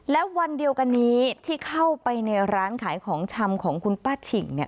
และวันเดียวกันนี้ที่เข้าไปในร้านขายของชำของคุณป้าฉิ่งเนี่ย